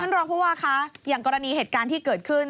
ท่านรองผู้พรีวาคะอย่างกวดินิยาเหตุการณ์ที่เกิดขึ้น